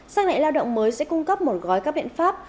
xác lệnh lao động mới sẽ cung cấp một gói các biện pháp